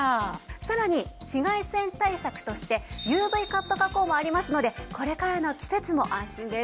さらに紫外線対策としてＵＶカット加工もありますのでこれからの季節も安心です。